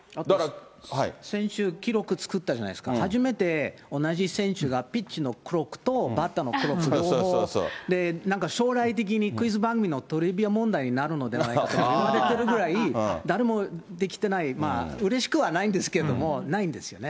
先週記録作ったじゃないですか、初めて同じ選手が、ピッチのクロックとバッターのクロック両方で、将来的にクイズ番組のトリビア問題になるんじゃないかと言われてるぐらい、誰もできてない、うれしくはないんですけれども、ないんですよね。